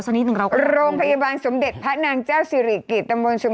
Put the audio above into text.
สักนิดหนึ่งเราก็โรงพยาบาลสมเด็จพระนางเจ้าสิริกิต